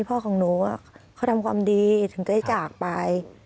พ่อของหนูเขาทำความดีถึงได้จากไป